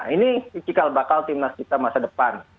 ini cikal bakal tim nasional kita masa depan